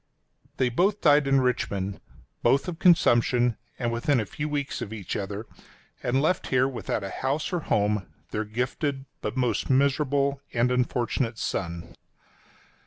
They both died in Richmond — both of consumption, and within a few weeks of each other, adn left here without a house or home their gifted but most miserable and unfortunate son.